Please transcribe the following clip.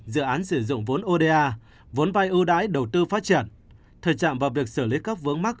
dự án sử dụng vốn oda vốn vai ưu đãi đầu tư phát triển thể trạng và việc xử lý các vướng mắc